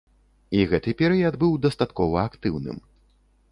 І гэты перыяд быў дастаткова актыўным.